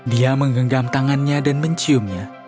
dia menggenggam tangannya dan menciumnya